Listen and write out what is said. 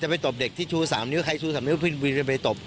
ไปตบเด็กที่ชู๓นิ้วใครชู๓นิ้วพี่วินจะไปตบ